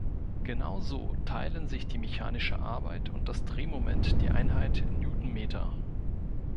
Genauso teilen sich die "mechanische Arbeit" und das "Drehmoment" die Einheit "Newtonmeter".